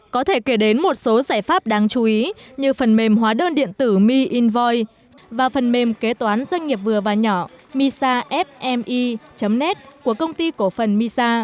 có thể kể đến một số giải pháp đáng chú ý như phần mềm hóa đơn điện tử miinvoi và phần mềm kế toán doanh nghiệp vừa và nhỏ misafmi net của công ty cổ phần misa